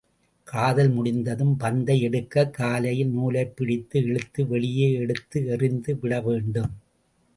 காதல் முடிந்ததும் பந்தை எடுக்கக் காலையில் நூலைப் பிடித்து இழுத்து வெளியே எடுத்து எறிந்து விடவேண்டும்.